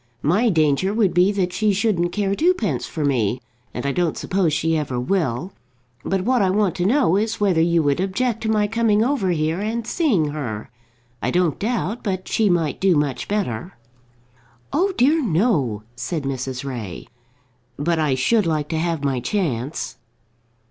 My danger would be that she shouldn't care twopence for me; and I don't suppose she ever will. But what I want to know is whether you would object to my coming over here and seeing her. I don't doubt but she might do much better." "Oh dear no," said Mrs. Ray. "But I should like to have my chance."